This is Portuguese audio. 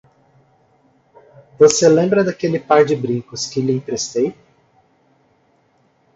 Você lembra daquele par de brincos que lhe emprestei?